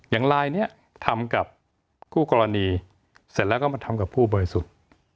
อย่างลายนี้ทำกับคู่กรณีเสร็จแล้วก็มาทำกับผู้บริสุทธิ์